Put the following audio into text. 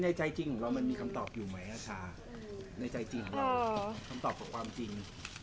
ใจจริงของเรามันมีคำตอบอยู่ไหมอาชาในใจจริงของเราคำตอบกับความจริง